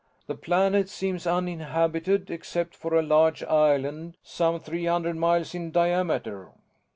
"The planet seems uninhabited except for a large island some three hundred miles in diameter.